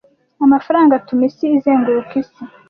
Amafaranga atuma isi izenguruka isi.